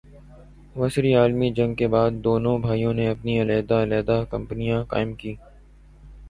وسری عالمی جنگ کے بعد دونوں بھائیوں نے اپنی علیحدہ علیحدہ کمپنیاں قائم کیں-